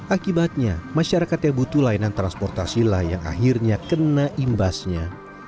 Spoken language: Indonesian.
akibatnya masyarakat yang butuh layanan transportasi lah yang akhirnya kena imbasnya